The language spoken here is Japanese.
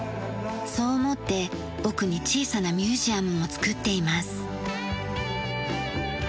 そう思って奥に小さなミュージアムも作っています。